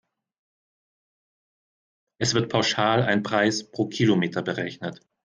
Es wird pauschal ein Preis pro Kilometer berechnet.